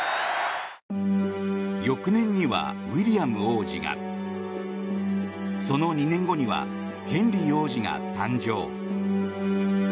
翌年にはウィリアム王子がその２年後にはヘンリー王子が誕生。